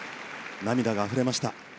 涙があふれました。